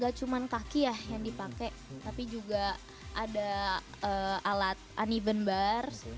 gak cuman kaki ya yang dipake tapi juga ada alat uneven bar